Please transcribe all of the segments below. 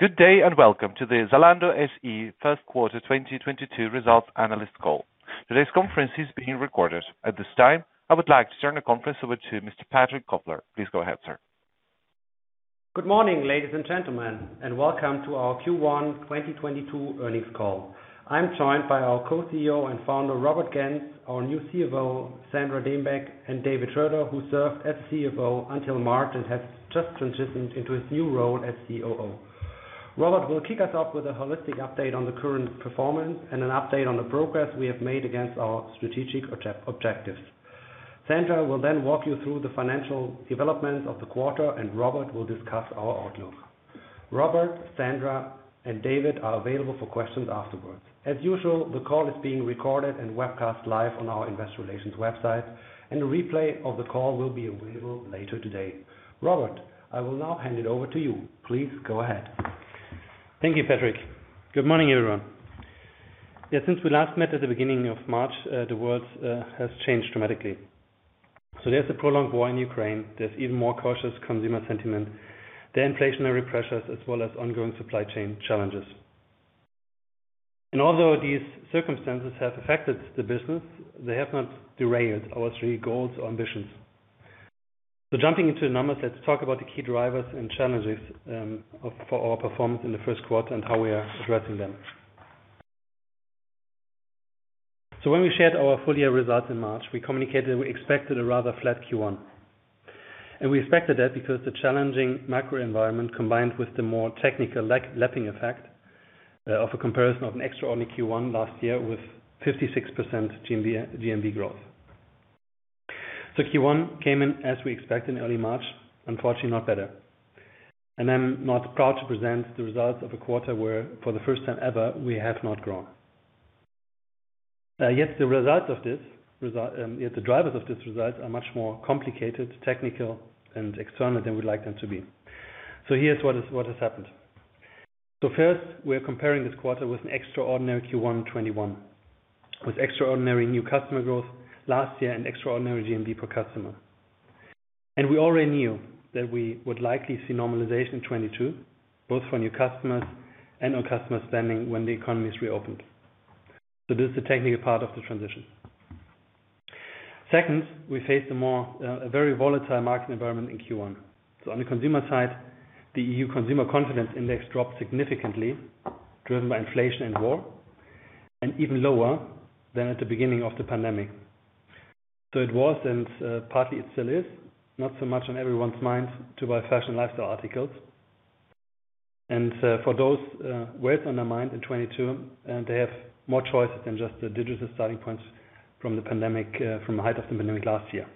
Good day, and welcome to the Zalando SE first quarter 2022 results analyst call. Today's conference is being recorded. At this time, I would like to turn the conference over to Mr. Patrick Kofler. Please go ahead, sir. Good morning, ladies and gentlemen, and welcome to our Q1 2022 earnings call. I'm joined by our co-CEO and founder, Robert Gentz, our new CFO, Sandra Dembeck, and David Schröder, who served as CFO until March and has just transitioned into his new role as COO. Robert will kick us off with a holistic update on the current performance and an update on the progress we have made against our strategic objectives. Sandra will then walk you through the financial developments of the quarter, and Robert will discuss our outlook. Robert, Sandra and David are available for questions afterwards. As usual, the call is being recorded and webcast live on our investor relations website, and a replay of the call will be available later today. Robert, I will now hand it over to you. Please go ahead. Thank you, Patrick. Good morning, everyone. Yeah, since we last met at the beginning of March, the world has changed dramatically. There's a prolonged war in Ukraine. There's even more cautious consumer sentiment. The inflationary pressures as well as ongoing supply chain challenges. Although these circumstances have affected the business, they have not derailed our three goals or ambitions. Jumping into the numbers, let's talk about the key drivers and challenges for our performance in the first quarter and how we are addressing them. When we shared our full year results in March, we communicated we expected a rather flat Q1. We expected that because the challenging macro environment, combined with the more technical lapping effect, of a comparison of an extraordinary Q1 last year with 56% GMV growth. Q1 came in as we expect in early March, unfortunately not better. I'm not proud to present the results of a quarter where for the first time ever, we have not grown. Yet the drivers of this result are much more complicated, technical and external than we'd like them to be. Here's what has happened. First, we're comparing this quarter with an extraordinary Q1 2021, with extraordinary new customer growth last year and extraordinary GMV per customer. We already knew that we would likely see normalization in 2022, both for new customers and on customer spending when the economies reopened. This is the technical part of the transition. Second, we face a very volatile market environment in Q1. On the consumer side, the EU Consumer Confidence Index dropped significantly, driven by inflation and war, and even lower than at the beginning of the pandemic. It was, and partly it still is, not so much on everyone's mind to buy fashion and lifestyle articles. For those words on their mind in 2022, and they have more choices than just the digital starting points from the pandemic, from the height of the pandemic last year.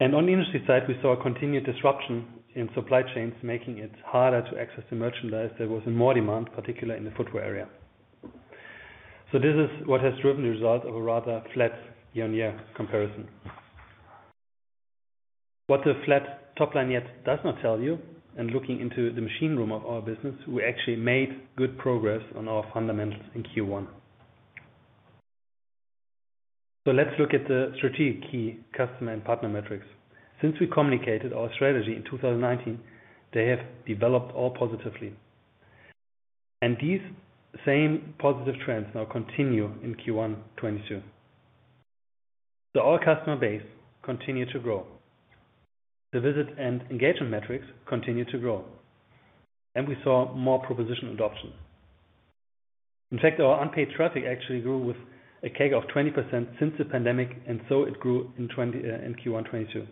On the industry side, we saw a continued disruption in supply chains, making it harder to access the merchandise. There was more demand, particularly in the footwear area. This is what has driven the result of a rather flat year-over-year comparison. What the flat top line yet does not tell you, and looking into the machine room of our business, we actually made good progress on our fundamentals in Q1. Let's look at the strategic key customer and partner metrics. Since we communicated our strategy in 2019, they have developed all positively. These same positive trends now continue in Q1 2022. Our customer base continued to grow. The visit and engagement metrics continued to grow, and we saw more proposition adoption. In fact, our unpaid traffic actually grew with a CAGR of 20% since the pandemic, and so it grew 20% in Q1 2022.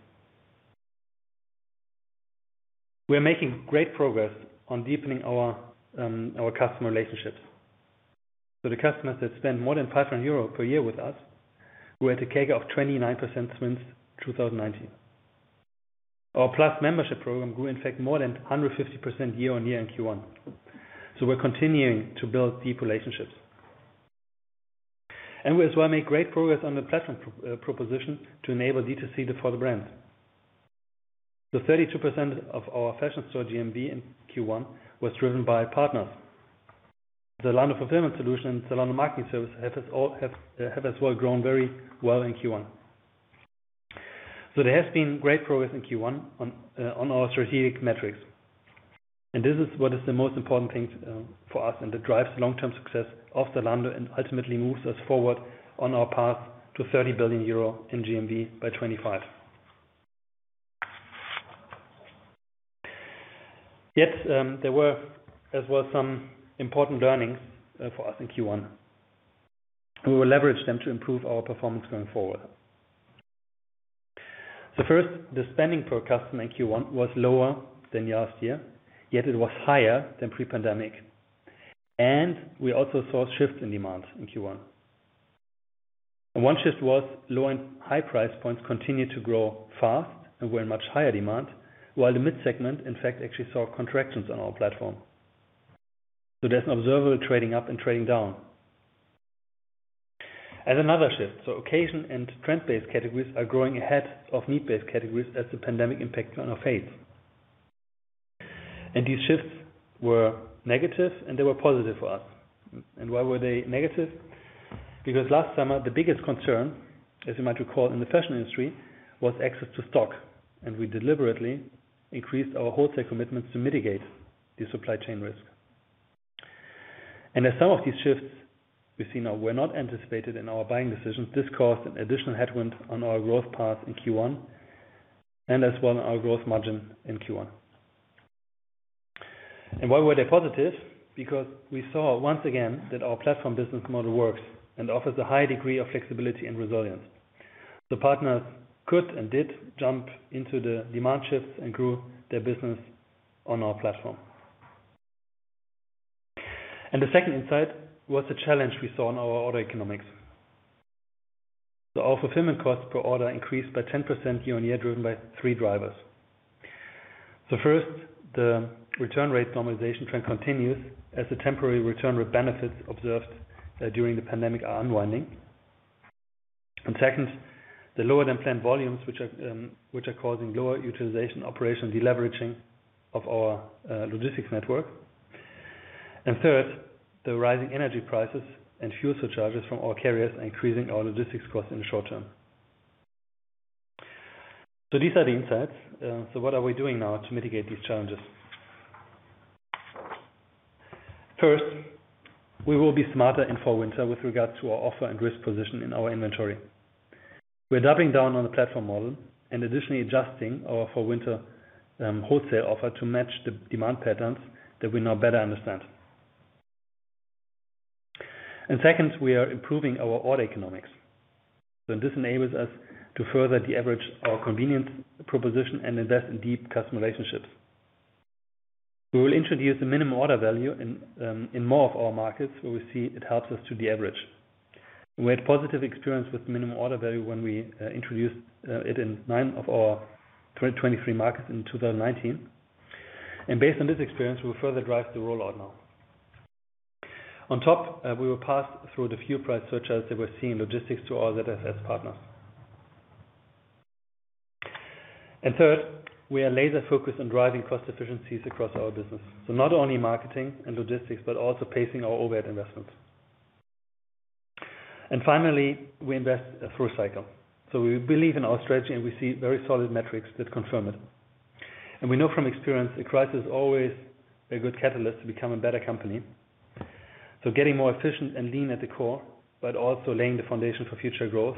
We're making great progress on deepening our customer relationships. The customers that spend more than 500 euro per year with us grew at a CAGR of 29% since 2019. Our Plus membership program grew in fact more than 150% year-over-year in Q1. We're continuing to build deep relationships. We as well make great progress on the platform proposition to enable D2C for the brand. The 32% of our fashion store GMV in Q1 was driven by partners. The Zalando Fulfillment Solutions and Zalando Marketing Services have as well grown very well in Q1. There has been great progress in Q1 on our strategic metrics. This is what is the most important thing for us and that drives long-term success of Zalando and ultimately moves us forward on our path to 30 billion euro in GMV by 2025. There were as well some important learnings for us in Q1. We will leverage them to improve our performance going forward. First, the spending per customer in Q1 was lower than last year, yet it was higher than pre-pandemic. We also saw shifts in demand in Q1. One shift was low and high price points continued to grow fast and were in much higher demand, while the mid segment, in fact, actually saw contractions on our platform. There's an observable trading up and trading down. Another shift. Occasion and trend-based categories are growing ahead of need-based categories as the pandemic impact fades. These shifts were negative, and they were positive for us. Why were they negative? Because last summer, the biggest concern, as you might recall, in the fashion industry, was access to stock, and we deliberately increased our wholesale commitments to mitigate the supply chain risk. As some of these shifts we see now were not anticipated in our buying decisions, this caused an additional headwind on our growth path in Q1 and as well our growth margin in Q1. Why were they positive? Because we saw once again that our platform business model works and offers a high degree of flexibility and resilience. The partners could and did jump into the demand shifts and grew their business on our platform. The second insight was the challenge we saw in our order economics. Our fulfillment cost per order increased by 10% year-on-year, driven by three drivers. First, the return rate normalization trend continues as the temporary return rate benefits observed during the pandemic are unwinding. Second, the lower-than-planned volumes, which are causing lower utilization, operational deleveraging of our logistics network. Third, the rising energy prices and fuel surcharges from our carriers are increasing our logistics costs in the short term. These are the insights. What are we doing now to mitigate these challenges? First, we will be smarter in fulfillment with regard to our offer and risk position in our inventory. We're doubling down on the platform model and additionally adjusting our fulfillment wholesale offer to match the demand patterns that we now better understand. Second, we are improving our order economics. This enables us to further deaverage our convenient proposition and invest in deep customer relationships. We will introduce a minimum order value in more of our markets, where we see it helps us to deaverage. We had positive experience with minimum order value when we introduced it in nine of our 23 markets in 2019. Based on this experience, we will further drive the rollout now. On top, we will pass through the fuel price surcharges that we see in logistics to all ZFS partners. Third, we are laser focused on driving cost efficiencies across our business. Not only marketing and logistics, but also pacing our overhead investments. Finally, we invest through a cycle. We believe in our strategy, and we see very solid metrics that confirm it. We know from experience, a crisis is always a good catalyst to become a better company. Getting more efficient and lean at the core, but also laying the foundation for future growth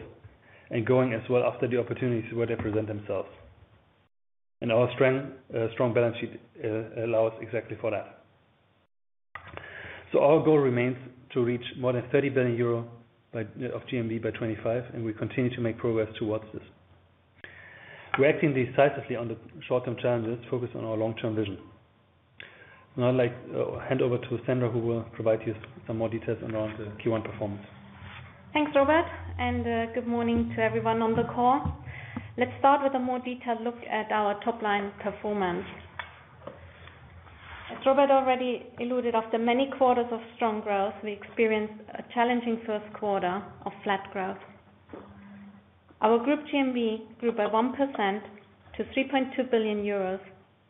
and going as well after the opportunities where they present themselves. Our strong balance sheet allows exactly for that. Our goal remains to reach more than 30 billion euro of GMV by 2025, and we continue to make progress towards this. We're acting decisively on the short-term challenges, focused on our long-term vision. Now I'd like to hand over to Sandra, who will provide you some more details around the Q1 performance. Thanks, Robert, and good morning to everyone on the call. Let's start with a more detailed look at our top line performance. As Robert already alluded, after many quarters of strong growth, we experienced a challenging first quarter of flat growth. Our group GMV grew by 1% to 3.2 billion euros,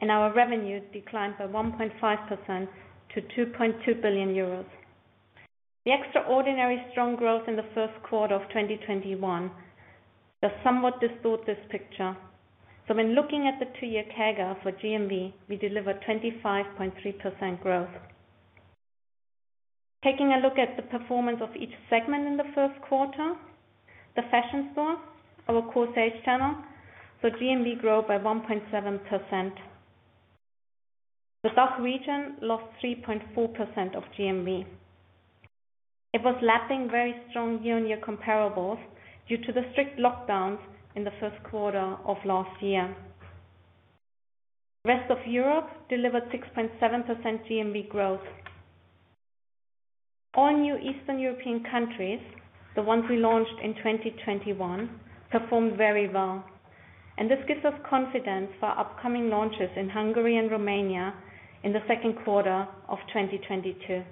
and our revenues declined by 1.5% to 2.2 billion euros. The extraordinary strong growth in the first quarter of 2021 has somewhat distorted this picture. When looking at the two-year CAGR for GMV, we delivered 25.3% growth. Taking a look at the performance of each segment in the first quarter, the fashion store, our core sales channel, so GMV grew by 1.7%. The DACH region lost 3.4% of GMV. It was lapping very strong year-on-year comparables due to the strict lockdowns in the first quarter of last year. Rest of Europe delivered 6.7% GMV growth. All new Eastern European countries, the ones we launched in 2021, performed very well, and this gives us confidence for our upcoming launches in Hungary and Romania in the second quarter of 2022.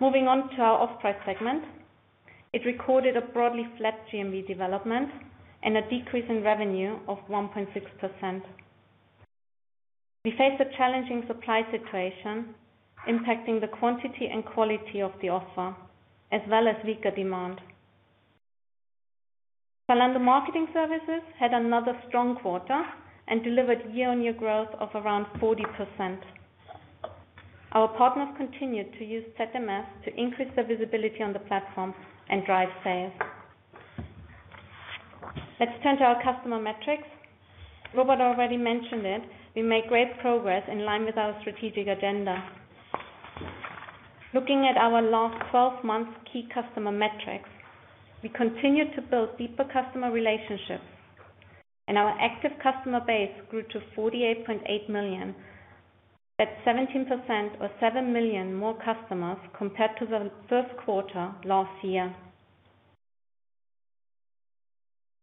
Moving on to our off-price segment. It recorded a broadly flat GMV development and a decrease in revenue of 1.6%. We face a challenging supply situation impacting the quantity and quality of the offer as well as weaker demand. Zalando Marketing Services had another strong quarter and delivered year-on-year growth of around 40%. Our partners continued to use ZMS to increase their visibility on the platform and drive sales. Let's turn to our customer metrics. Robert already mentioned it. We made great progress in line with our strategic agenda. Looking at our last 12 months key customer metrics, we continued to build deeper customer relationships, and our active customer base grew to 48.8 million, that's 17% or 7 million more customers compared to the first quarter last year.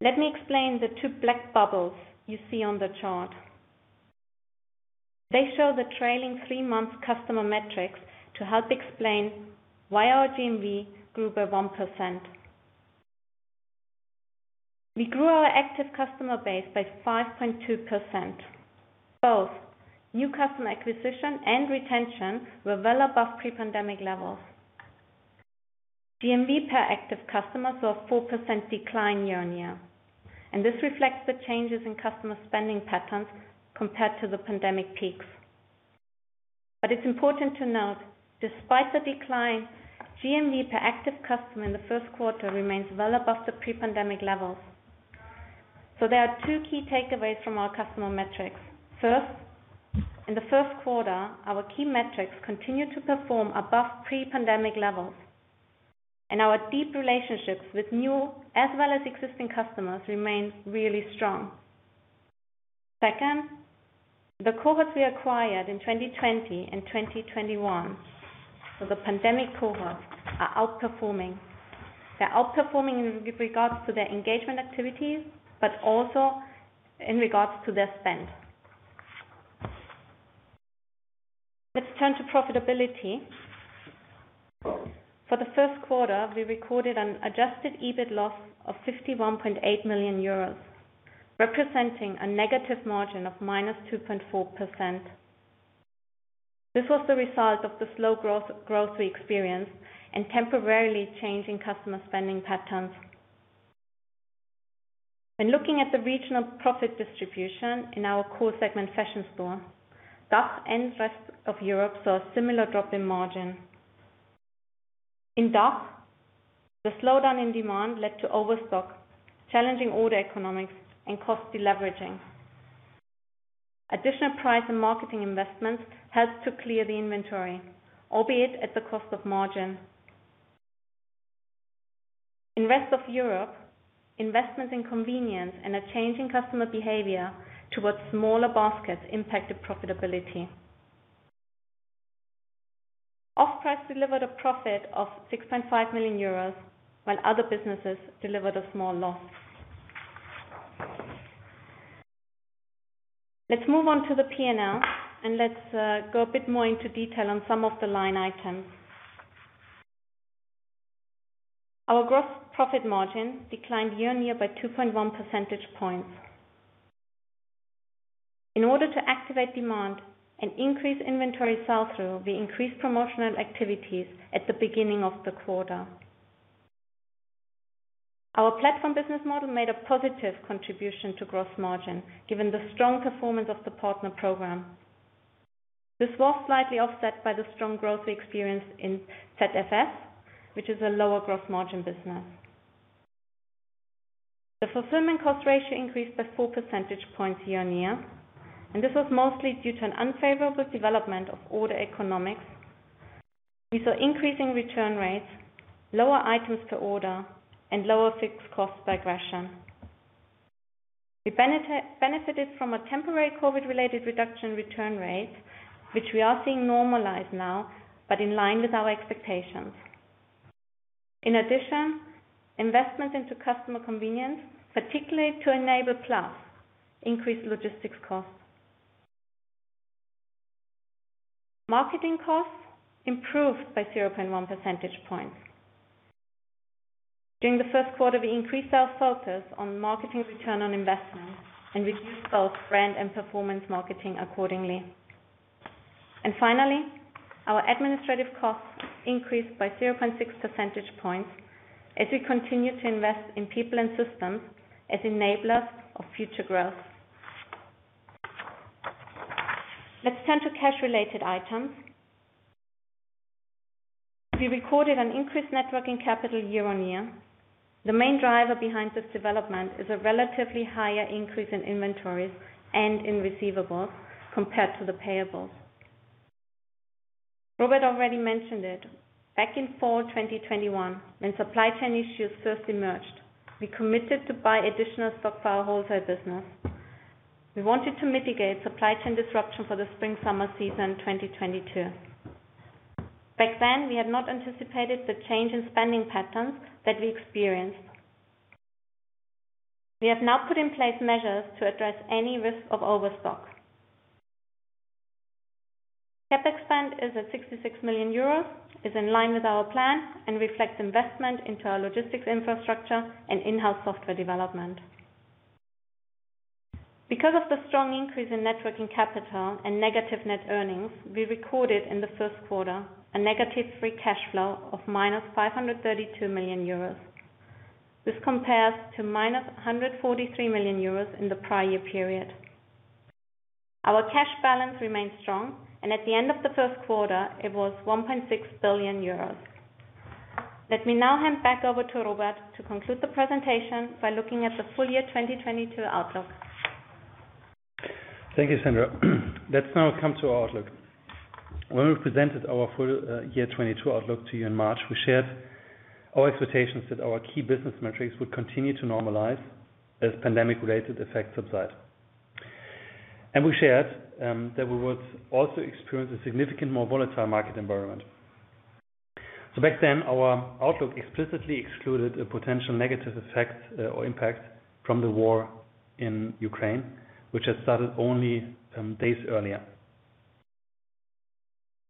Let me explain the two black bubbles you see on the chart. They show the trailing three month customer metrics to help explain why our GMV grew by 1%. We grew our active customer base by 5.2%. Both new customer acquisition and retention were well above pre-pandemic levels. GMV per active customers saw a 4% decline year-on-year. This reflects the changes in customer spending patterns compared to the pandemic peaks. It's important to note, despite the decline, GMV per active customer in the first quarter remains well above the pre-pandemic levels. There are two key takeaways from our customer metrics. First, in the first quarter, our key metrics continue to perform above pre-pandemic levels, and our deep relationships with new as well as existing customers remain really strong. Second, the cohorts we acquired in 2020 and 2021, so the pandemic cohorts, are outperforming. They're outperforming with regards to their engagement activities but also in regards to their spend. Let's turn to profitability. For the first quarter, we recorded an adjusted EBIT loss of 51.8 million euros, representing a negative margin of -2.4%. This was the result of the slow growth we experienced and temporarily changing customer spending patterns. When looking at the regional profit distribution in our core segment fashion store, DACH and rest of Europe saw a similar drop in margin. In DACH, the slowdown in demand led to overstock, challenging order economics and costly leveraging. Additional price and marketing investments helped to clear the inventory, albeit at the cost of margin. In rest of Europe, investments in convenience and a change in customer behavior towards smaller baskets impacted profitability. Offprice delivered a profit of 6.5 million euros, while other businesses delivered a small loss. Let's move on to the P&L and let's go a bit more into detail on some of the line items. Our gross profit margin declined year-on-year by 2.1 percentage points. In order to activate demand and increase inventory sell-through, we increased promotional activities at the beginning of the quarter. Our platform business model made a positive contribution to gross margin, given the strong performance of the Partner Program. This was slightly offset by the strong growth we experienced in ZFS, which is a lower gross margin business. The fulfillment cost ratio increased by 4 percentage points year-on-year, and this was mostly due to an unfavorable development of order economics. We saw increasing return rates, lower items per order, and lower fixed cost absorption. We benefited from a temporary COVID-related reduction in return rates, which we are seeing normalize now, but in line with our expectations. In addition, investment into customer convenience, particularly to enable Plus, increased logistics costs. Marketing costs improved by 0.1 percentage points. During the first quarter, we increased our focus on marketing return on investment and reduced both brand and performance marketing accordingly. Finally, our administrative costs increased by 0.6 percentage points as we continue to invest in people and systems as enablers of future growth. Let's turn to cash-related items. We recorded an increased net working capital year-on-year. The main driver behind this development is a relatively higher increase in inventories and in receivables compared to the payables. Robert already mentioned it. Back in fall 2021, when supply chain issues first emerged, we committed to buy additional stock for our wholesale business. We wanted to mitigate supply chain disruption for the spring/summer season 2022. Back then, we had not anticipated the change in spending patterns that we experienced. We have now put in place measures to address any risk of overstock. CapEx spend is at 66 million euros, is in line with our plan and reflects investment into our logistics infrastructure and in-house software development. Because of the strong increase in net working capital and negative net earnings, we recorded in the first quarter a negative free cash flow of -532 million euros. This compares to -143 million euros in the prior year period. Our cash balance remains strong, and at the end of the first quarter, it was 1.6 billion euros. Let me now hand back over to Robert to conclude the presentation by looking at the full year 2022 outlook. Thank you, Sandra. Let's now come to our outlook. When we presented our full year 2022 outlook to you in March, we shared our expectations that our key business metrics would continue to normalize as pandemic-related effects subside. We shared that we would also experience a significant more volatile market environment. Back then, our outlook explicitly excluded a potential negative effect or impact from the war in Ukraine, which had started only days earlier.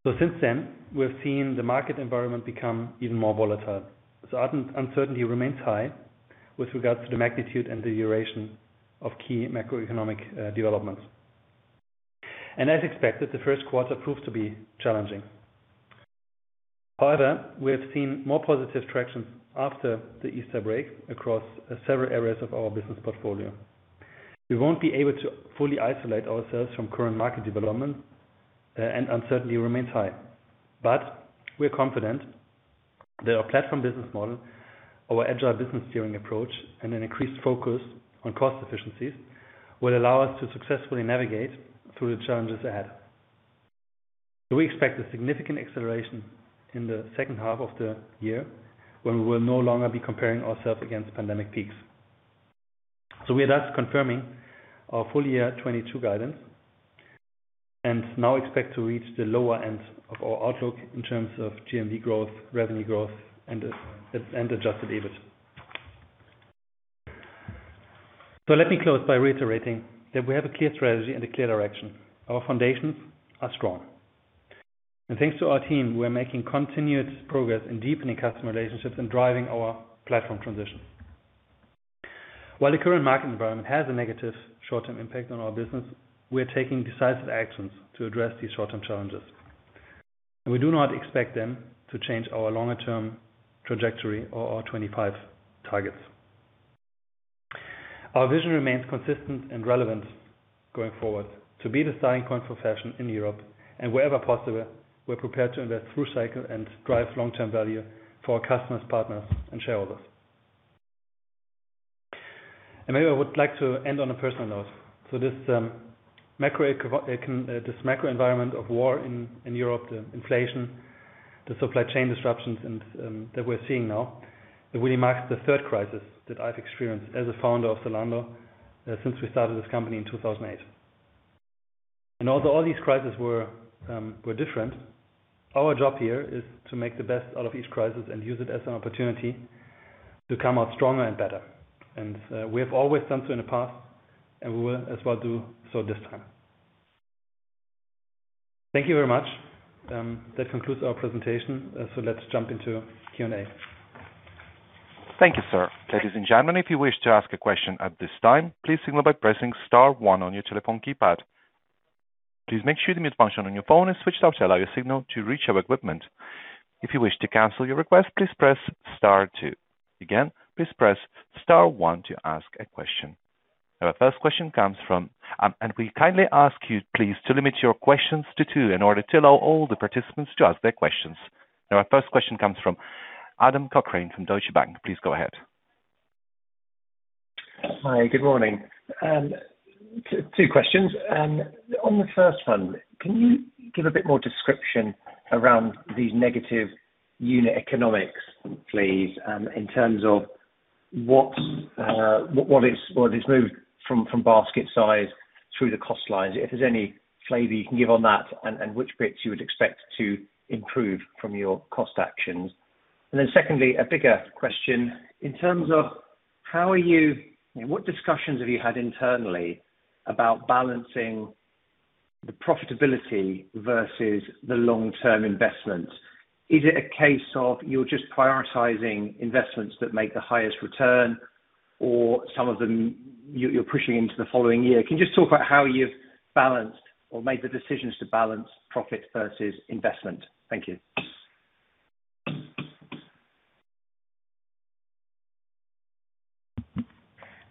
Since then, we've seen the market environment become even more volatile. Uncertainty remains high with regards to the magnitude and the duration of key macroeconomic developments. As expected, the first quarter proved to be challenging. However, we have seen more positive tractions after the Easter break across several areas of our business portfolio. We won't be able to fully isolate ourselves from current market development, and uncertainty remains high. We're confident that our platform business model, our agile business steering approach, and an increased focus on cost efficiencies will allow us to successfully navigate through the challenges ahead. We expect a significant acceleration in the second half of the year when we will no longer be comparing ourselves against pandemic peaks. We are thus confirming our full year 2022 guidance, and now expect to reach the lower end of our outlook in terms of GMV growth, revenue growth, and adjusted EBIT. Let me close by reiterating that we have a clear strategy and a clear direction. Our foundations are strong. Thanks to our team, we are making continued progress in deepening customer relationships and driving our platform transition. While the current market environment has a negative short-term impact on our business, we are taking decisive actions to address these short-term challenges. We do not expect them to change our long-term trajectory or our 2025 targets. Our vision remains consistent and relevant going forward, to be the starting point for fashion in Europe and wherever possible, we're prepared to invest through cycle and drive long-term value for our customers, partners, and shareholders. Maybe I would like to end on a personal note. This macro environment of war in Europe, the inflation, the supply chain disruptions and that we're seeing now, it really marks the third crisis that I've experienced as a founder of Zalando since we started this company in 2008. Although all these crises were different, our job here is to make the best out of each crisis and use it as an opportunity to come out stronger and better. We have always done so in the past, and we will as well do so this time. Thank you very much. That concludes our presentation. Let's jump into Q&A. Thank you, sir. Ladies and gentlemen, if you wish to ask a question at this time, please signal by pressing star one on your telephone keypad. Please make sure the mute function on your phone is switched off to allow your signal to reach our equipment. If you wish to cancel your request, please press star two. Again, please press star one to ask a question. We kindly ask you please to limit your questions to two in order to allow all the participants to ask their questions. Now, our first question comes from Adam Cochrane from Deutsche Bank. Please go ahead. Hi. Good morning. Two questions. On the first one, can you give a bit more description around these negative unit economics, please, in terms of what is moved from basket size through the cost lines? If there's any flavor you can give on that and which bits you would expect to improve from your cost actions. Secondly, a bigger question. In terms of what discussions have you had internally about balancing the profitability versus the long-term investments? Is it a case of you're just prioritizing investments that make the highest return or some of them you're pushing into the following year? Can you just talk about how you've balanced or made the decisions to balance profit versus investment? Thank you.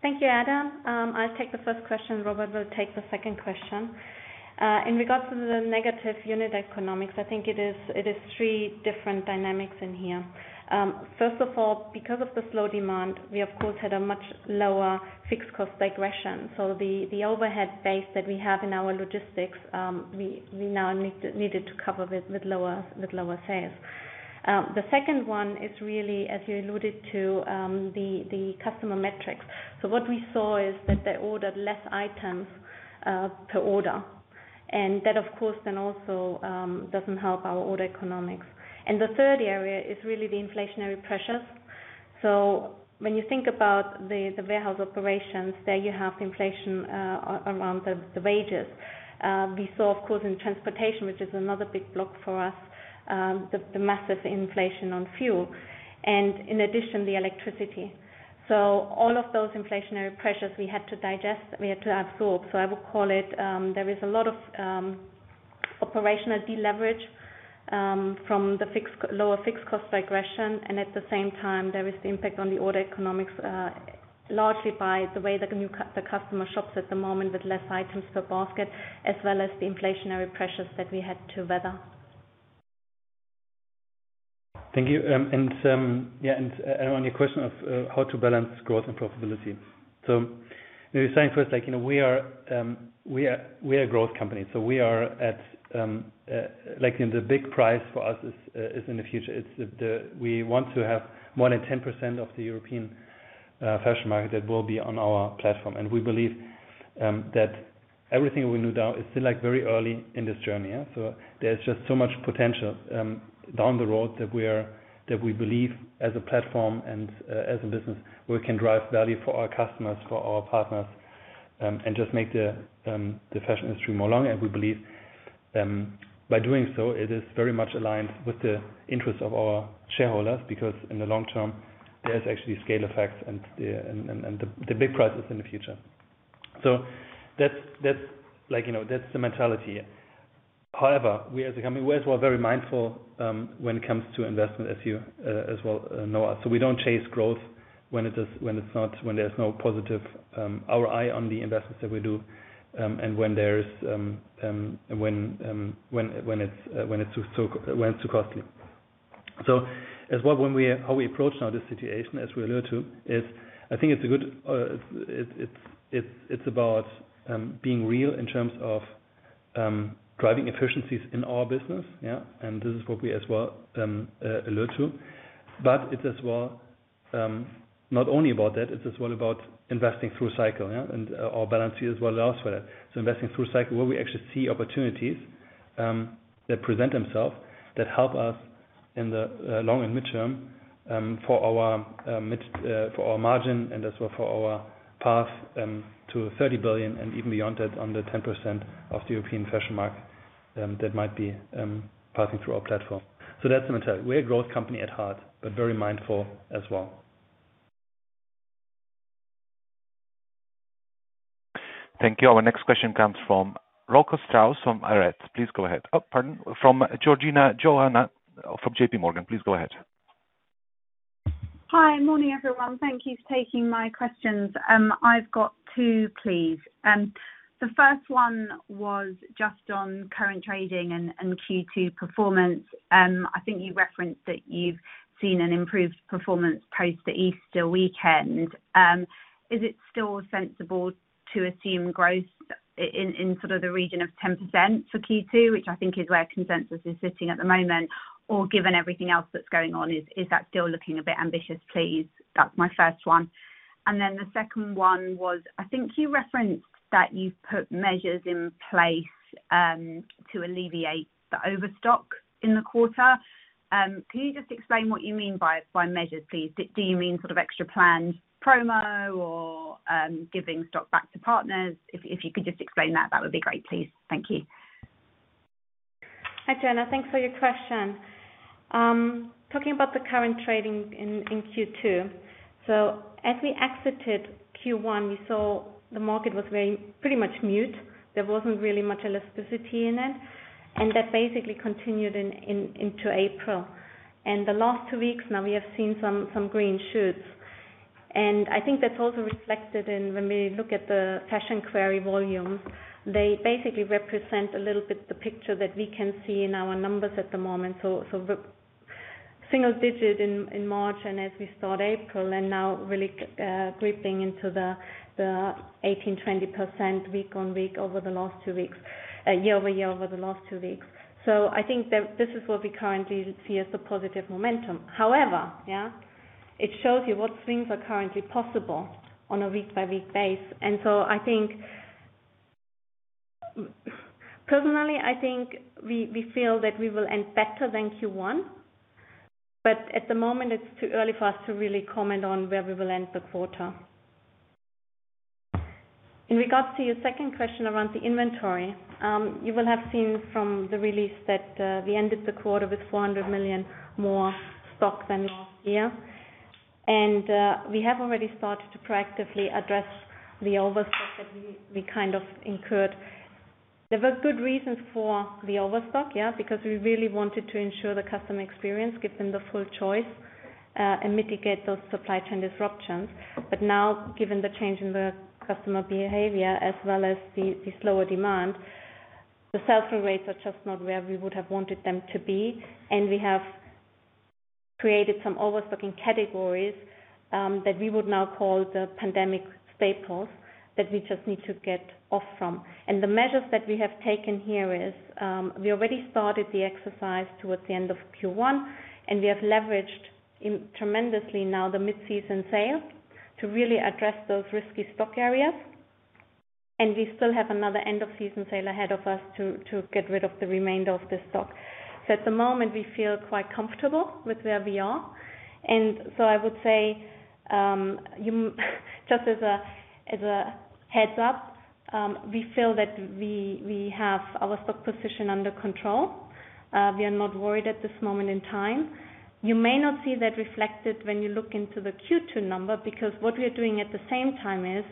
Thank you, Adam. I'll take the first question, Robert will take the second question. In regards to the negative unit economics, I think it is three different dynamics in here. First of all, because of the slow demand, we of course had a much lower fixed cost degression. The overhead base that we have in our logistics, we now needed to cover with lower sales. The second one is really, as you alluded to, the customer metrics. What we saw is that they ordered less items per order. That of course then also doesn't help our order economics. The third area is really the inflationary pressures. When you think about the warehouse operations, there you have inflation around the wages. We saw, of course, in transportation, which is another big block for us, the massive inflation on fuel and, in addition, the electricity. All of those inflationary pressures we had to digest. We had to absorb. I would call it. There is a lot of operational deleverage from the lower fixed cost degression. At the same time, there is the impact on the order economics, largely by the way the customer shops at the moment with less items per basket, as well as the inflationary pressures that we had to weather. Thank you. On your question of how to balance growth and profitability. Maybe saying first like, you know, we are a growth company, so we are at like in the big prize for us is in the future. It's the. We want to have more than 10% of the European fashion market that will be on our platform. We believe that everything we do now is still like very early in this journey, yeah? There's just so much potential down the road that we believe as a platform and as a business, we can drive value for our customers, for our partners. Just make the fashion industry more strong. We believe by doing so, it is very much aligned with the interest of our shareholders, because in the long term, there's actually scale effects and the big picture in the future. That's like, you know, that's the mentality. However, we as a company, we as well are very mindful when it comes to investment as you well know. We don't chase growth when there's no positive ROI on the investments that we do, and when it's too costly. As well, how we approach now this situation as we allude to is I think it's about being real in terms of driving efficiencies in our business. Yeah. This is what we as well allude to. It's as well not only about that, it's as well about investing through cycle, yeah. Our balance sheet as well allows for that. Investing through cycle where we actually see opportunities that present themselves, that help us in the long and midterm for our margin and as well for our path to 30 billion and even beyond that, under 10% of the European fashion market that might be passing through our platform. That's the mentality. We're a growth company at heart, but very mindful as well. Thank you. Our next question comes from Rocco Strauss from Arete. Please go ahead. Oh, pardon. From Georgina Johanan from JPMorgan. Please go ahead. Hi. Morning, everyone. Thank you for taking my questions. I've got two, please. The first one was just on current trading and Q2 performance. I think you referenced that you've seen an improved performance post the Easter weekend. Is it still sensible to assume growth in sort of the region of 10% for Q2, which I think is where consensus is sitting at the moment? Or given everything else that's going on, is that still looking a bit ambitious, please? That's my first one. Then the second one was, I think you referenced that you've put measures in place to alleviate the overstock in the quarter. Can you just explain what you mean by measures, please? Do you mean sort of extra planned promo or giving stock back to partners? If you could just explain that. That would be great, please. Thank you. Hi, Jenna. Thanks for your question. Talking about the current trading in Q2. As we exited Q1, we saw the market was very pretty much mute. There wasn't really much elasticity in it, and that basically continued into April. The last two weeks now we have seen some green shoots. I think that's also reflected in when we look at the fashion query volumes. They basically represent a little bit the picture that we can see in our numbers at the moment. The single digit in March and as we start April and now really creeping into the 18%-20% week-on-week over the last two weeks year-over-year over the last two weeks. I think that this is what we currently see as the positive momentum. However, yeah, it shows you what things are currently possible on a week-by-week basis. I think. Personally, I think we feel that we will end better than Q1, but at the moment, it's too early for us to really comment on where we will end the quarter. In regards to your second question around the inventory, you will have seen from the release that we ended the quarter with 400 million more stock than last year. We have already started to proactively address the overstock that we kind of incurred. There were good reasons for the overstock, yeah, because we really wanted to ensure the customer experience, give them the full choice, and mitigate those supply chain disruptions. Now, given the change in the customer behavior as well as the slower demand, the sell-through rates are just not where we would have wanted them to be. We have created some overstock in categories that we would now call the pandemic staples that we just need to get off from. The measures that we have taken here is we already started the exercise towards the end of Q1, and we have leveraged in tremendously now the mid-season sale to really address those risky stock areas. We still have another end of season sale ahead of us to get rid of the remainder of the stock. At the moment, we feel quite comfortable with where we are. I would say, just as a heads up, we feel that we have our stock position under control. We are not worried at this moment in time. You may not see that reflected when you look into the Q2 number because what we are doing at the same time is,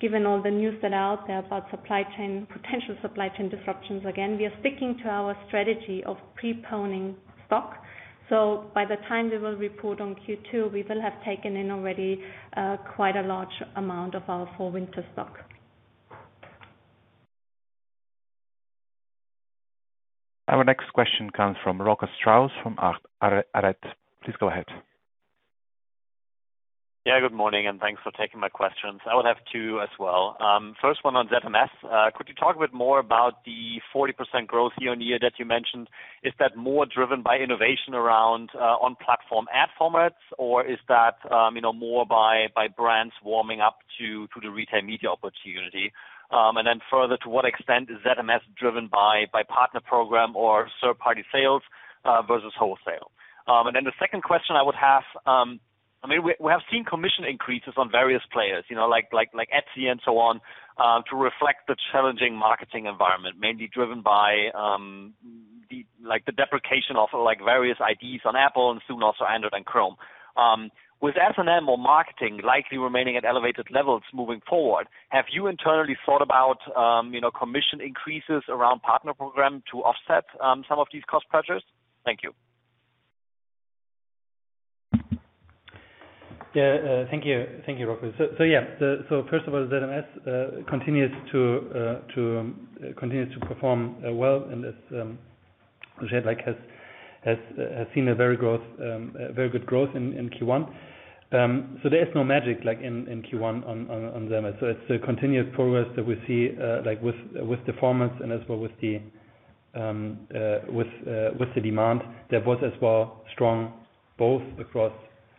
given all the news that are out there about supply chain, potential supply chain disruptions, again, we are sticking to our strategy of preponing stock. By the time we will report on Q2, we will have taken in already, quite a large amount of our full winter stock. Our next question comes from Rocco Strauss from Arete. Please go ahead. Yeah, good morning, and thanks for taking my questions. I would have two as well. First one on ZMS. Could you talk a bit more about the 40% growth year-on-year that you mentioned? Is that more driven by innovation around on-platform ad formats, or is that, you know, more by brands warming up to the retail media opportunity? And then further, to what extent is ZMS driven by Partner Program or third-party sales versus wholesale? The second question I would have, I mean, we have seen commission increases on various players, you know, like Etsy and so on, to reflect the challenging marketing environment mainly driven by, like, the deprecation of like various IDs on Apple and soon also Android and Chrome. With S&M or marketing likely remaining at elevated levels moving forward, have you internally thought about, you know, commission increases around Partner Program to offset some of these cost pressures? Thank you. Yeah. Thank you. Thank you, Rocco. First of all, ZMS continues to perform well and is like has seen a very good growth in Q1. There is no magic like in Q1 on ZMS. It's a continued progress that we see, like with the performance and as well with the demand. That was as well strong both across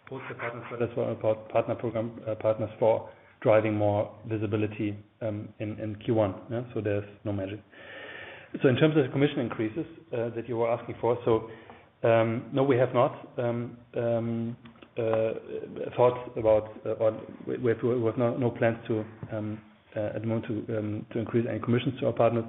both the partners, but as well Partner Program, partners for driving more visibility in Q1. Yeah, there's no magic. In terms of the commission increases that you were asking for, no, we have not thought about. We have no plans, at the moment, to increase any commissions to our partners.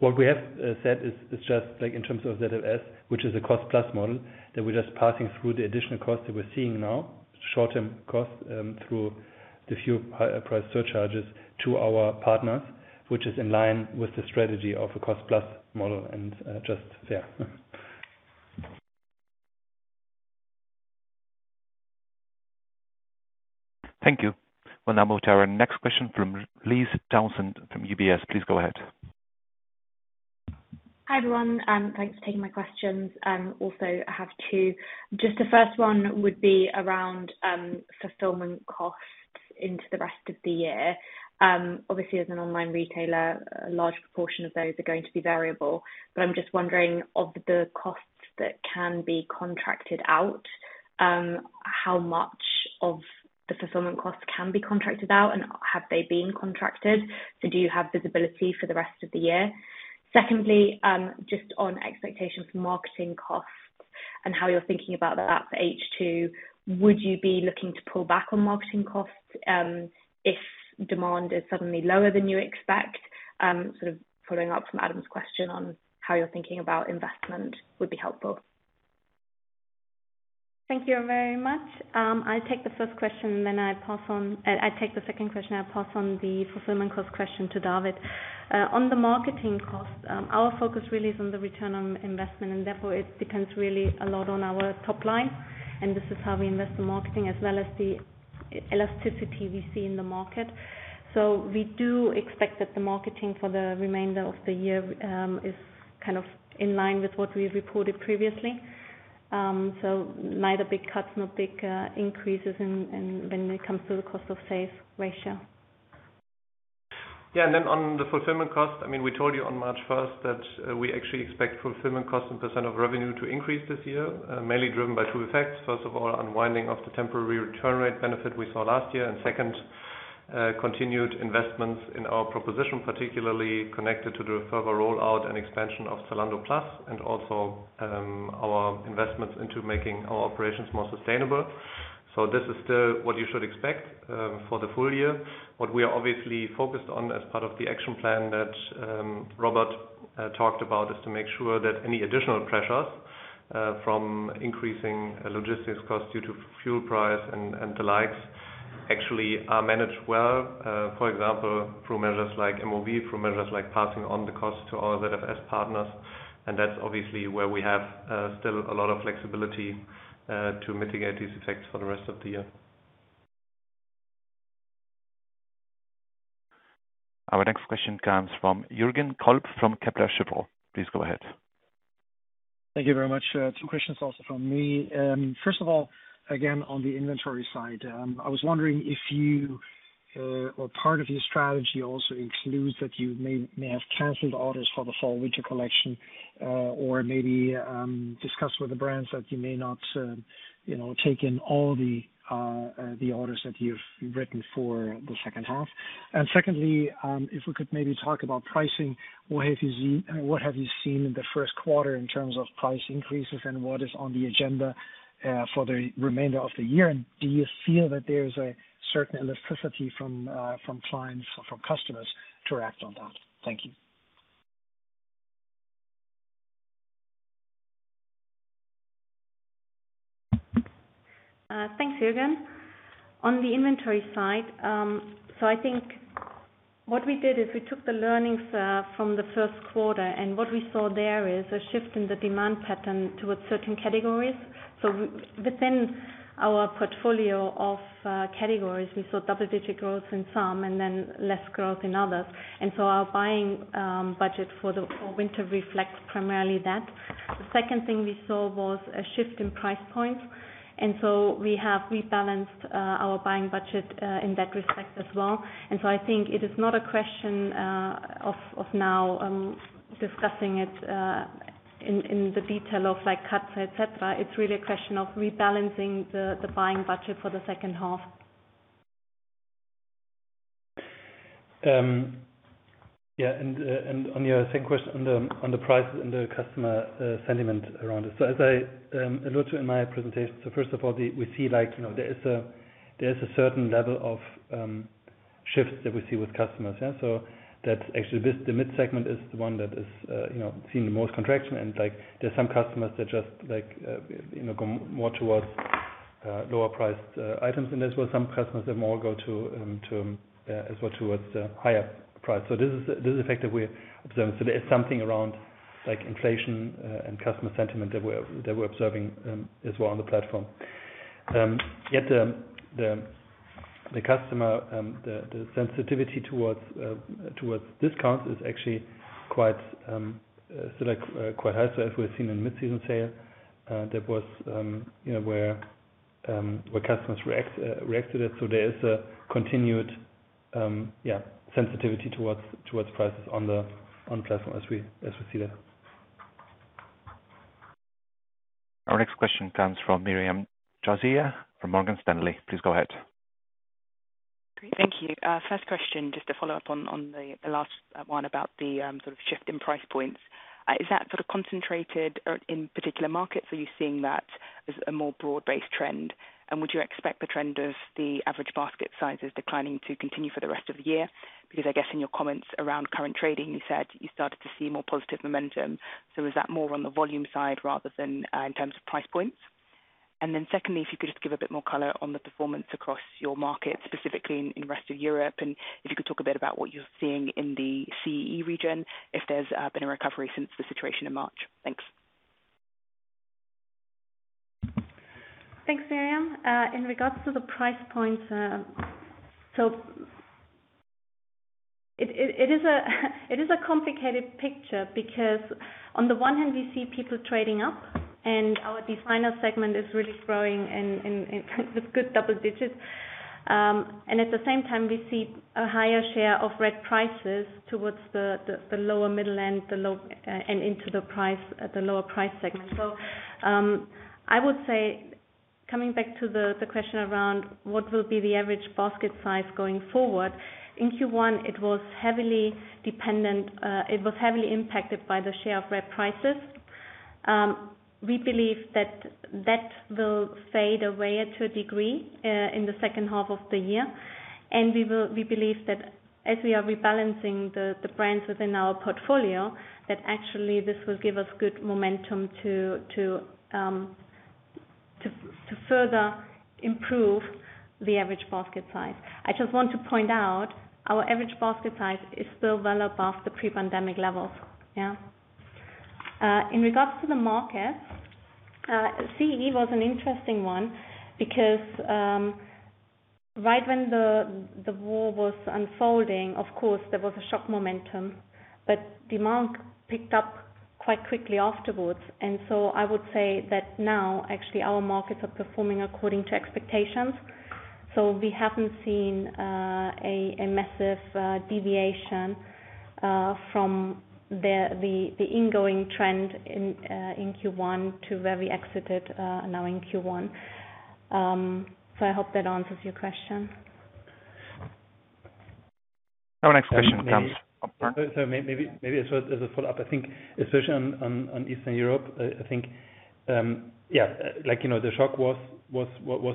What we have said is just like in terms of ZFS, which is a cost plus model, that we're just passing through the additional costs that we're seeing now, short-term costs, through the few price surcharges to our partners, which is in line with the strategy of a cost plus model and just yeah. Thank you. We'll now move to our next question from Liv Townsend from UBS. Please go ahead. Hi, everyone, thanks for taking my questions. Also, I have two. Just the first one would be around fulfillment costs into the rest of the year. Obviously as an online retailer, a large proportion of those are going to be variable, but I'm just wondering of the costs that can be contracted out, how much of the fulfillment costs can be contracted out and have they been contracted? So do you have visibility for the rest of the year? Secondly, just on expectations for marketing costs and how you're thinking about that for H2, would you be looking to pull back on marketing costs, if demand is suddenly lower than you expect? Sort of following up from Adam's question on how you're thinking about investment would be helpful. Thank you very much. I'll take the first question and then I pass on. I take the second question, I'll pass on the fulfillment cost question to David. On the marketing cost, our focus really is on the return on investment and therefore it depends really a lot on our top line, and this is how we invest in marketing as well as the elasticity we see in the market. We do expect that the marketing for the remainder of the year is kind of in line with what we reported previously. Neither big cuts, no big increases in when it comes to the cost of sales ratio. Yeah. Then on the fulfillment cost, I mean, we told you on March first that we actually expect fulfillment cost % of revenue to increase this year, mainly driven by two effects. First of all, unwinding of the temporary return rate benefit we saw last year. Second, continued investments in our proposition, particularly connected to the further rollout and expansion of Zalando Plus, and also our investments into making our operations more sustainable. This is still what you should expect for the full year. What we are obviously focused on as part of the action plan that Robert talked about is to make sure that any additional pressures from increasing logistics costs due to fuel price and the likes actually are managed well. For example, through measures like MOV, through measures like passing on the cost to our ZFS partners. That's obviously where we have still a lot of flexibility to mitigate these effects for the rest of the year. Our next question comes from Jürgen Kolb, from Kepler Cheuvreux. Please go ahead. Thank you very much. Two questions also from me. First of all, again, on the inventory side, I was wondering if you or part of your strategy also includes that you may have canceled orders for the fall/winter collection, or maybe discussed with the brands that you may not, you know, take in all the the orders that you've written for the second half. Secondly, if we could maybe talk about pricing, what have you seen in the first quarter in terms of price increases and what is on the agenda for the remainder of the year? Do you feel that there's a certain elasticity from clients or from customers to act on that? Thank you. Thanks, Jüergen. On the inventory side, I think what we did is we took the learnings from the first quarter, and what we saw there is a shift in the demand pattern towards certain categories. Within our portfolio of categories, we saw double digit growth in some and then less growth in others. Our buying budget for winter reflects primarily that. The second thing we saw was a shift in price points, and we have rebalanced our buying budget in that respect as well. I think it is not a question of now discussing it in the detail of like cuts, et cetera. It's really a question of rebalancing the buying budget for the second half. Yeah, on your second question on the prices and the customer sentiment around it. As I allude to in my presentation, first of all, we see like, you know, there is a certain level of shifts that we see with customers, yeah. That actually this, the mid segment is the one that is, you know, seeing the most contraction. Like, there's some customers that just like, you know, go more towards lower priced items. There's where some customers that more go to as well towards the higher price. This is the effect that we're observing. There is something around like inflation and customer sentiment that we're observing as well on the platform. Yes, the customer sensitivity towards discounts is actually quite still, like, quite high. As we've seen in mid-season sale, that was, you know, where customers reacted to it. There is a continued sensitivity towards prices on the platform as we see that. Our next question comes from Miriam Josiah from Morgan Stanley. Please go ahead. Great. Thank you. First question, just to follow up on the last one about the sort of shift in price points. Is that sort of concentrated in particular markets? Are you seeing that as a more broad-based trend? And would you expect the trend of the average basket sizes declining to continue for the rest of the year? Because I guess in your comments around current trading, you said you started to see more positive momentum. So is that more on the volume side rather than in terms of price points? And then secondly, if you could just give a bit more color on the performance across your markets, specifically in rest of Europe, and if you could talk a bit about what you're seeing in the CEE region, if there's been a recovery since the situation in March. Thanks. Thanks, Miriam. In regards to the price points, it is a complicated picture because on the one hand, we see people trading up and our designer segment is really growing with good double digits. And at the same time, we see a higher share of red prices towards the lower middle end, the low end, and into the lower price segment. I would say coming back to the question around what will be the average basket size going forward, in Q1 it was heavily impacted by the share of red prices. We believe that will fade away to a degree in the second half of the year. We will, we believe that as we are rebalancing the brands within our portfolio, that actually this will give us good momentum to further improve the average basket size. I just want to point out our average basket size is still well above the pre-pandemic levels. Yeah. In regards to the markets, CEE was an interesting one because, right when the war was unfolding, of course there was a shock momentum. Demand picked up quite quickly afterwards. I would say that now actually our markets are performing according to expectations. We haven't seen a massive deviation from the ongoing trend in Q1 to where we exited now in Q1. I hope that answers your question. Our next question comes. Maybe as well as a follow-up, I think especially on Eastern Europe. I think, yeah, like, you know, the shock was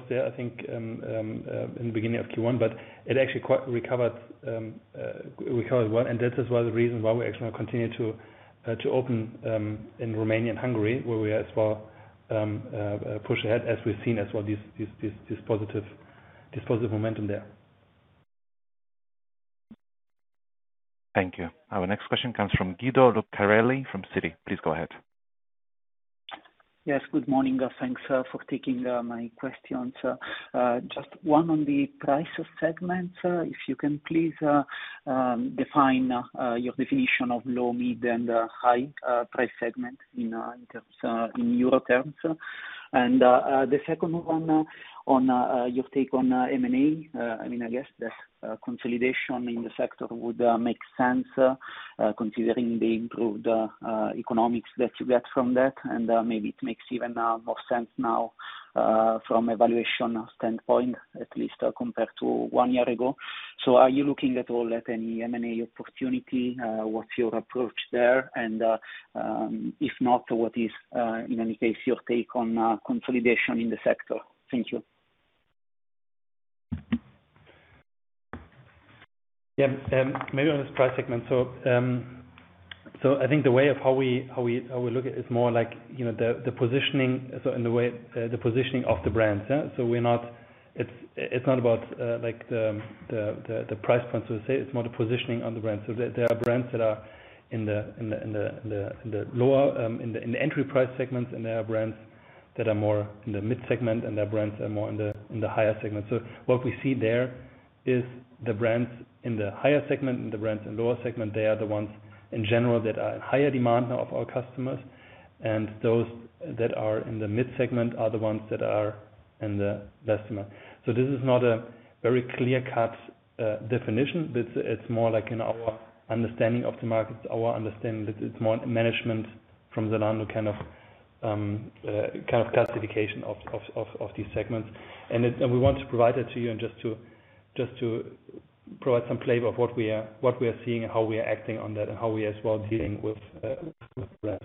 there I think in the beginning of Q1, but it actually quite recovered well, and this is why, the reason why we actually continue to open in Romania and Hungary where we are as well, push ahead as we've seen as well this positive momentum there. Thank you. Our next question comes from Guido Lucarelli from Citi. Please go ahead. Yes, good morning. Thanks for taking my questions. Just one on the price segments. If you can please define your definition of low, mid, and high price segment in Euro terms. The second one on your take on M&A. I mean, I guess the consolidation in the sector would make sense considering the improved economics that you get from that. Maybe it makes even more sense now from valuation standpoint at least compared to one year ago. Are you looking at any M&A opportunity? What's your approach there? If not, what is in any case your take on consolidation in the sector? Thank you. Yeah, maybe on this price segment. I think the way of how we look at it is more like, you know, the positioning, so in the way, the positioning of the brands, yeah. It's not about, like the price points per se, it's more the positioning on the brands. There are brands that are in the lower entry price segments and there are brands that are more in the mid segment, and there are brands that are more in the higher segment. What we see there is the brands in the higher segment and the brands in lower segment, they are the ones in general that are in higher demand from our customers. Those that are in the mid segment are the ones that are in less demand from our customers. This is not a very clear cut definition. It's more like in our understanding of the markets, our understanding that it's more management from Zalando kind of classification of these segments. We want to provide that to you just to provide some flavor of what we are seeing and how we are acting on that, and how we as well dealing with that.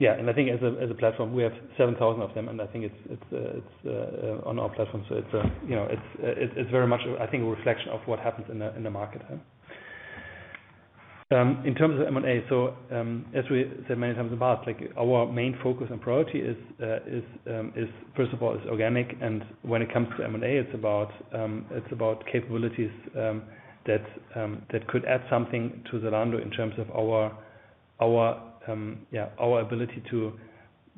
I think as a platform, we have 7,000 of them, and I think it's on our platform. It's, you know, it's very much, I think, a reflection of what happens in the market. In terms of M&A, as we said many times in the past, like our main focus and priority is first of all organic. When it comes to M&A, it's about capabilities that could add something to Zalando in terms of our yeah, our ability to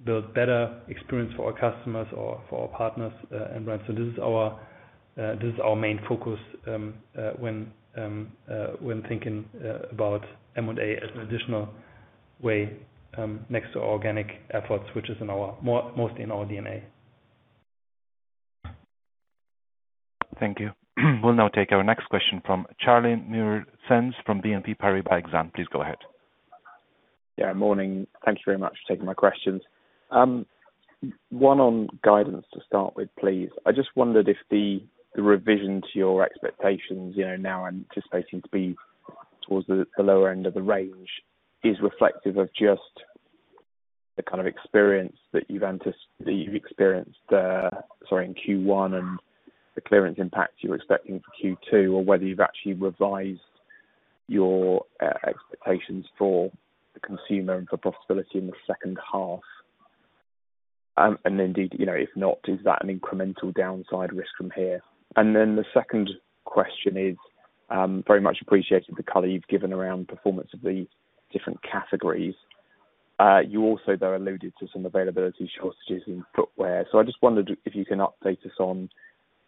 build better experience for our customers or for our partners and brands. This is our main focus when thinking about M&A as an additional way next to our organic efforts, which is mostly in our DNA. Thank you. We'll now take our next question from Nicolas Katsapas from BNP Paribas Exane. Please go ahead. Yeah. Morning. Thank you very much for taking my questions. One on guidance to start with, please. I just wondered if the revision to your expectations, you know, now anticipating to be towards the lower end of the range, is reflective of just the kind of experience that you've experienced in Q1 and the clearance impact you're expecting for Q2, or whether you've actually revised your expectations for the consumer and for profitability in the second half. Indeed, you know, if not, is that an incremental downside risk from here? The second question is, very much appreciated the color you've given around performance of the different categories. You also though alluded to some availability shortages in footwear. So I just wondered if you can update us on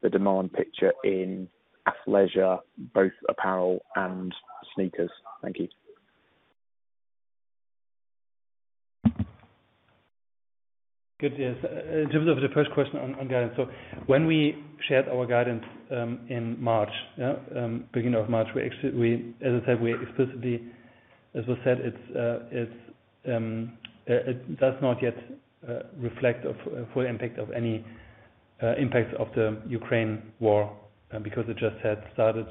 the demand picture in athleisure, both apparel and sneakers. Thank you. Good. Yes. In terms of the first question on guidance. When we shared our guidance in March, beginning of March, we actually as I said, we explicitly, as we said, it does not yet reflect a full impact of any impacts of the Ukraine war, because it just had started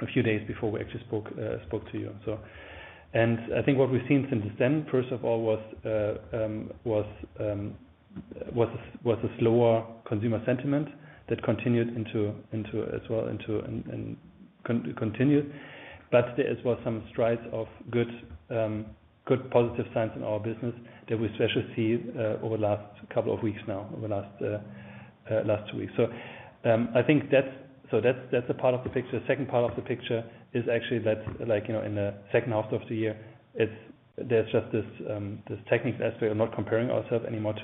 a few days before we actually spoke to you. I think what we've seen since then, first of all, was a slower consumer sentiment that continued into as well into, and continued. There was some strides of good positive signs in our business that we especially see over the last couple of weeks now, over the last two weeks. I think that's. That's a part of the picture. Second part of the picture is actually that like, you know, in the second half of the year, there's just this technical aspect as we are not comparing ourselves anymore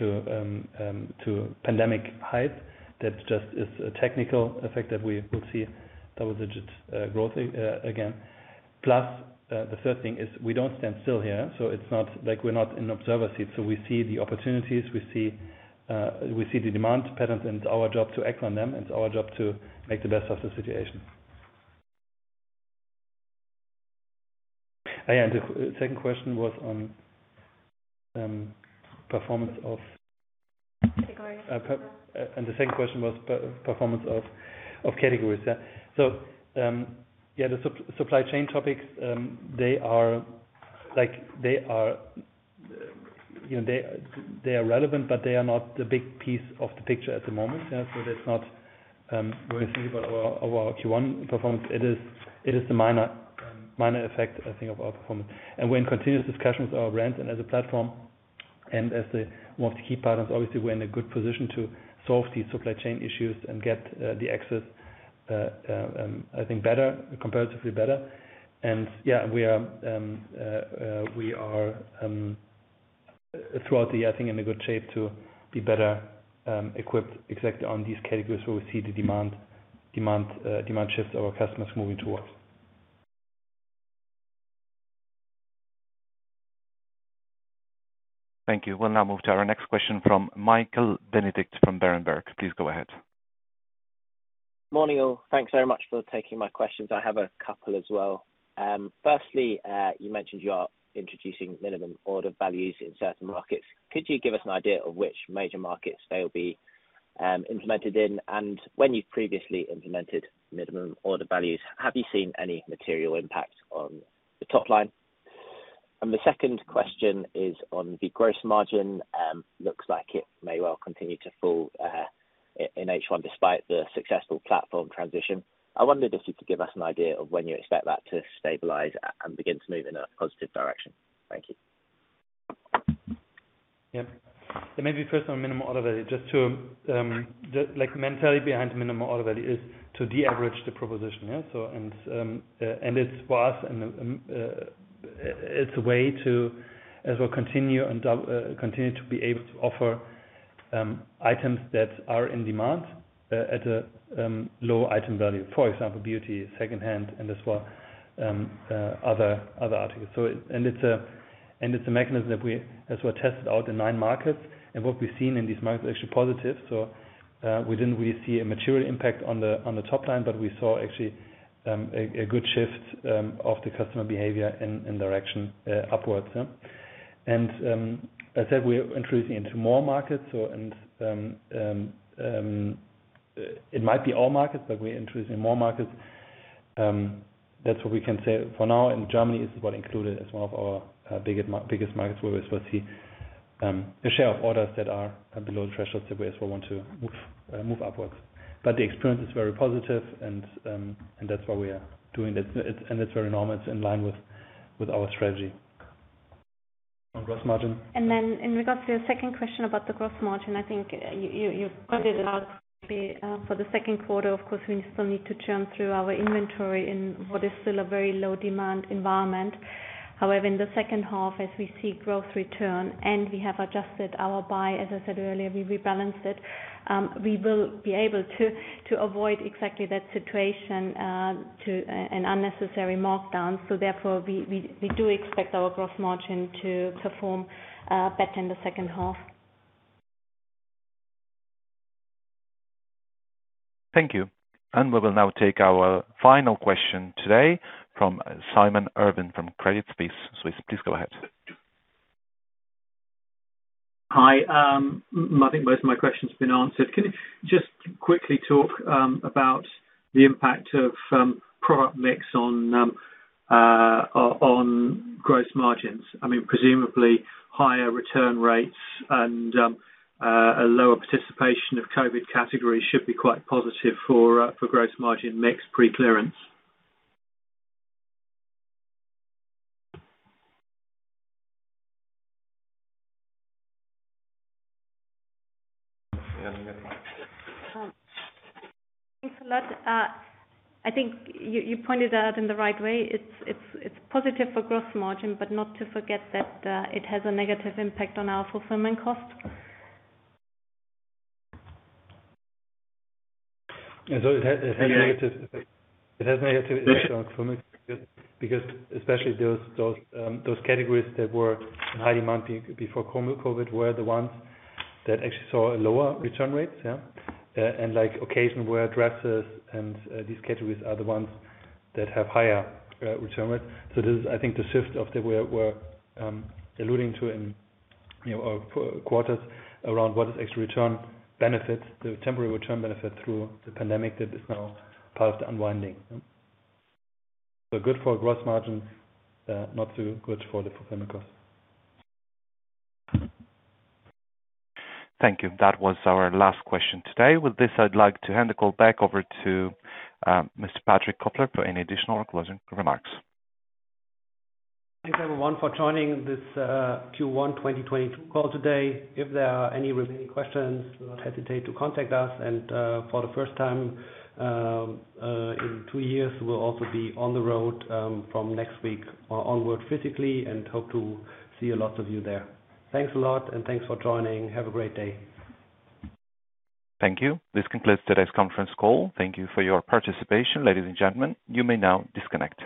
to pandemic heights. That just is a technical effect that we will see double-digit growth again. Plus, the third thing is we don't stand still here, so it's not like we're not in observer seat. We see the opportunities, we see the demand patterns, and it's our job to act on them, it's our job to make the best of the situation. Oh, yeah, and the second question was on performance of- Categories. The second question was performance of categories. Yeah. Yeah, the supply chain topics, they are like, you know, relevant, but they are not the big piece of the picture at the moment. Yeah. That's not, when we think about our Q1 performance, it is the minor effect, I think of our performance. We're in continuous discussions with our brands and as a platform and as the most key partners. Obviously, we're in a good position to solve these supply chain issues and get the access, I think better, comparatively better. Yeah, we are throughout the year, I think in a good shape to be better equipped exactly on these categories where we see the demand shifts our customers moving towards. Thank you. We'll now move to our next question from Michael Benedict from Berenberg. Please go ahead. Morning all. Thanks very much for taking my questions. I have a couple as well. Firstly, you mentioned you are introducing minimum order values in certain markets. Could you give us an idea of which major markets they'll be implemented in? When you've previously implemented minimum order values, have you seen any material impact on the top line? The second question is on the gross margin. Looks like it may well continue to fall in H1 despite the successful platform transition. I wondered if you could give us an idea of when you expect that to stabilize and begin to move in a positive direction. Thank you. Yeah. Maybe first on minimum order value, just to, like, the mentality behind minimum order value is to de-average the proposition. It's for us a way to as well continue to be able to offer items that are in demand at a low item value, for example, beauty, secondhand and as well other articles. It's a mechanism that we as well tested out in nine markets and what we've seen in these markets are actually positive. We didn't really see a material impact on the top line, but we saw actually a good shift of the customer behavior in direction upwards, yeah. As said, we are entering into more markets. It might be all markets, but we are entering more markets. That's what we can say for now. In Germany, which is included as one of our biggest markets where we will see a share of orders that are below the threshold that we as well want to move upwards. But the experience is very positive and that's why we are doing that. It's very normal. It's in line with our strategy. On gross margin. In regards to your second question about the gross margin, I think you pointed it out for the second quarter. Of course, we still need to churn through our inventory in what is still a very low demand environment. However, in the second half, as we see growth return and we have adjusted our buy, as I said earlier, we rebalanced it. We will be able to avoid exactly that situation, to an unnecessary markdown. Therefore, we do expect our gross margin to perform better in the second half. Thank you. We will now take our final question today from Simon Irwin from Credit Suisse. Please go ahead. Hi. I think most of my question's been answered. Can you just quickly talk about the impact of product mix on gross margins? I mean, presumably higher return rates and a lower participation of COVID categories should be quite positive for gross margin mix pre-clearance. Yeah. Thanks a lot. I think you pointed out in the right way. It's positive for gross margin, but not to forget that it has a negative impact on our fulfillment cost. It has negative effect. It has negative effect on fulfillment because especially those categories that were in high demand before COVID were the ones that actually saw lower return rates, yeah. And like occasion wear dresses and these categories are the ones that have higher return rates. This is I think the shift of the where we're alluding to in, you know, our quarters around what is actually return benefits, the temporary return benefit through the pandemic that is now part of the unwinding. Good for gross margin, not so good for the fulfillment cost. Thank you. That was our last question today. With this, I'd like to hand the call back over to Mr. Patrick Kofler for any additional closing remarks. Thanks everyone for joining this Q1 2022 call today. If there are any remaining questions, do not hesitate to contact us. For the first time in two years, we'll also be on the road from next week onwards physically and hope to see a lot of you there. Thanks a lot and thanks for joining. Have a great day. Thank you. This concludes today's conference call. Thank you for your participation. Ladies and gentlemen, you may now disconnect.